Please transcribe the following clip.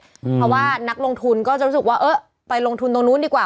เพราะว่านักลงทุนก็จะรู้สึกว่าเออไปลงทุนตรงนู้นดีกว่า